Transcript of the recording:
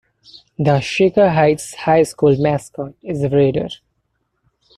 The Shaker Heights High School mascot is a “Raider”.